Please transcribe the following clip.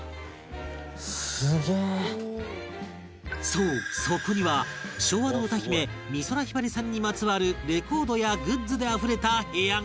そうそこには昭和の歌姫美空ひばりさんにまつわるレコードやグッズであふれた部屋が